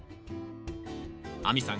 亜美さん